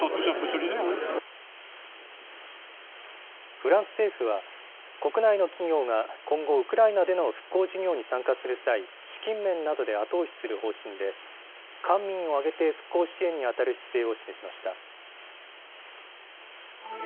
フランス政府は国内の企業が今後、ウクライナでの復興事業に参加する際、資金面などで後押しする方針で官民を挙げて復興支援にあたる姿勢を示しました。